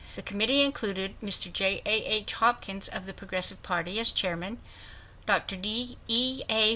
The committee included Mr. J. A. H. Hopkins of the Progressive Party, as chairman; Dr. E. A.